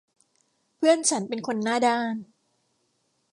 เพื่อนฉันเป็นคนหน้าด้าน